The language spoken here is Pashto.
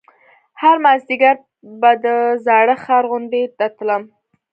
هر مازديگر به د زاړه ښار غونډۍ ته تلم.